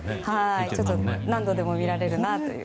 何度でも見られるなという。